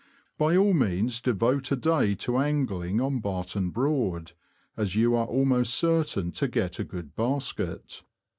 By all means devote a day to angling on Barton Broad, as you are almost certain to get a good basket.